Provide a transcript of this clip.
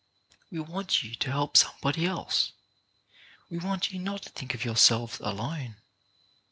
We want you to help somebody else. We want you not to think of yourselves alone.